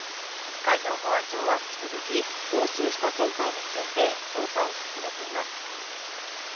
海上保安庁は引き続き、押収した船体について、捜査を進めています。